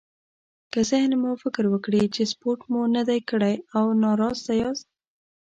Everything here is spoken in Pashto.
که ذهن مو فکر وکړي چې سپورت مو نه دی کړی او ناراسته ياست.